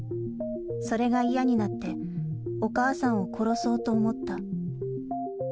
それが嫌になって、お母さんを殺そうと思った。